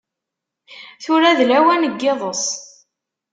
Tura d lawan n yiḍes.